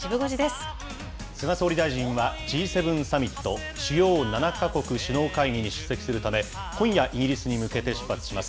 菅総理大臣は、Ｇ７サミット・主要７か国首脳会議に出席するため、今夜、イギリスに向けて出発します。